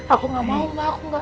aku gak mau mbak aku gak